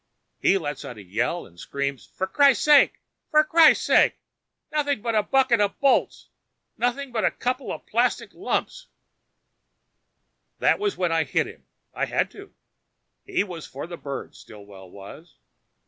He lets out a yell and screams, "For crisake! For crisake! Nothing but a bucket of bolts! Nothing but a couple of plastic lumps " That was when I hit him. I had to. He was for the birds, Stillwell was.